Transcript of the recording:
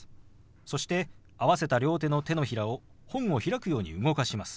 そして合わせた両手の手のひらを本を開くように動かします。